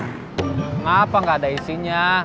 kenapa gak ada isinya